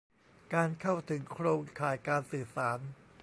การเข้าถึงโครงข่ายการสื่อสาร